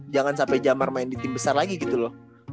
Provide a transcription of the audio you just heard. jangan sampai jamar main di tim besar lagi gitu loh